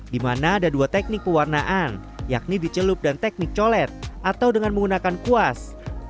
di mana ada dua teknik pewarnaan yakni dicelup dan teknik colet atau dengan menggunakan kuas